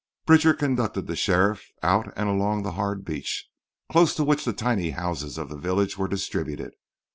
Bridger conducted the sheriff out and along the hard beach close to which the tiny houses of the village were distributed.